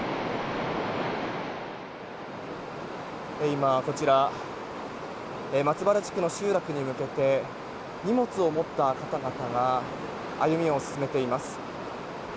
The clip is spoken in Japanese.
今、こちら松原地区の集落に向けて荷物を持った方々が歩みを進めています。